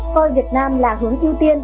coi việt nam là hướng ưu tiên